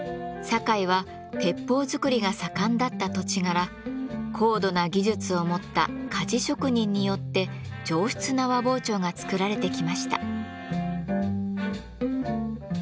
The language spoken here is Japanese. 堺は鉄砲作りが盛んだった土地柄高度な技術を持った鍛冶職人によって上質な和包丁が作られてきました。